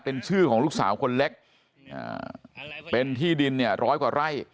เป็นชื่อของลูกสาวคนเล็กเป็นที่ดินเนี่ยร้อยกว่าไร่